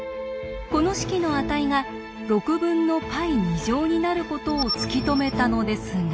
この式の値が６分のπ２乗になることを突き止めたのですが。